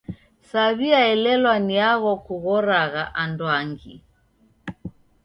Saw'iaelelwa ni agho kughoragha anduangi.